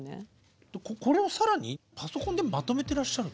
これを更にパソコンでまとめてらっしゃる？